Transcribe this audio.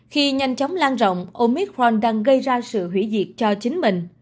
khi nhanh chóng lan rộng omicron đang gây ra sự hủy diệt cho chính mình